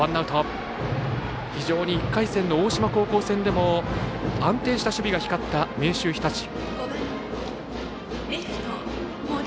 非常に１回戦の大島高校戦でも安定した守備が光った明秀日立。